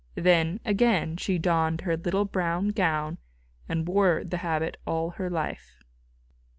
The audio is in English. Then again she donned her little brown gown; and wore the habit all her life.